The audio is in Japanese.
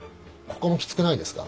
ここもきつくないですか？